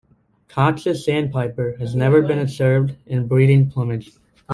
Cox's sandpiper has never been observed in breeding plumage.